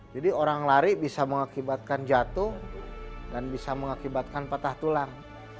jadi orang lari bisa mengakibatkan jatuh dan bisa mengakibatkan patah tulang